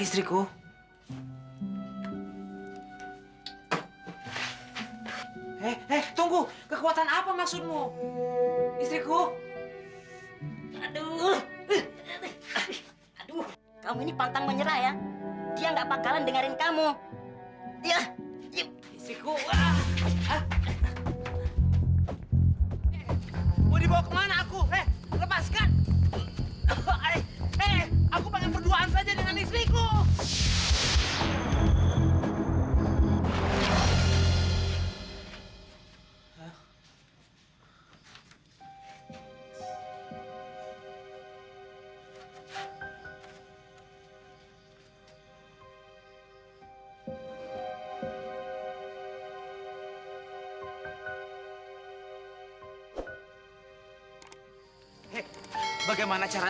sampai jumpa di video selanjutnya